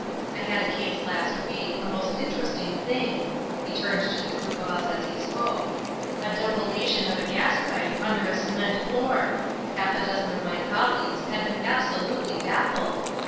I had a case last week, a most interesting thing " he turned to the group of us as he spoke "a double lesion of a gas pipe under a cement floor half a dozen of my colleagues had been absolutely baffled.